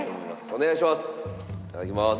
お願いします。